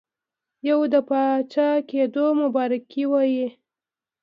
یو د پاچاکېدلو مبارکي وي.